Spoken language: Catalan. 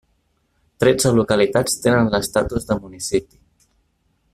Tretze localitats tenen l'estatus de municipi.